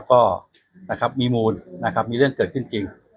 ก็มีมูลมีเรื่องเกิดขึ้นจริง